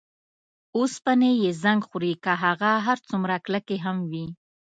اوسپنې یې زنګ خوري که هغه هر څومره کلکې هم وي.